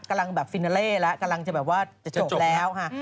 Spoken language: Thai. กำลังแบบฟินาเล่แล้วกำลังจะแบบว่าจะจบแล้วค่ะ